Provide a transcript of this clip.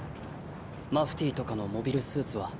マフティーとかのモビルスーツは。